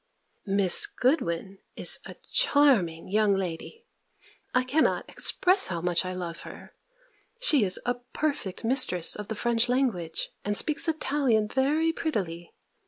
Miss Goodwin is a charming young lady! I cannot express how much I love her. She is a perfect mistress of the French language and speaks Italian very prettily!